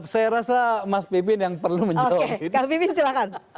saya rasa mas pibin yang perlu menjawab oke kak pibin silakan